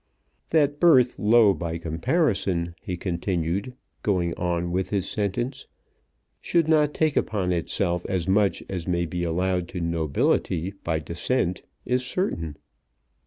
"That birth low by comparison," he continued, going on with his sentence, "should not take upon itself as much as may be allowed to nobility by descent is certain.